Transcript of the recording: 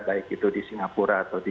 baik itu di singapura atau di